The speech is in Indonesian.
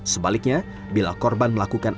sebaliknya bila korban melakukan